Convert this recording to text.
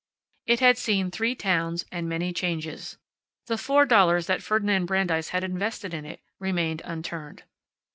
It had seen three towns, and many changes. The four dollars that Ferdinand Brandeis had invested in it still remained unturned.